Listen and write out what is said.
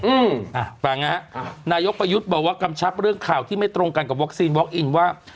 อืมอ่ะฟังนะฮะครับนายกประยุทธ์บอกว่ากำชับเรื่องข่าวที่ไม่ตรงกันกับวัคซีนวอคอินว่า